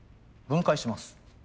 分解します。